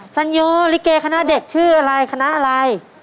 สัญโยลิเกคณะเด็กชื่ออะไรคณะอะไร